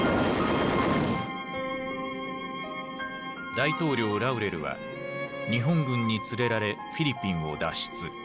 大統領ラウレルは日本軍に連れられフィリピンを脱出。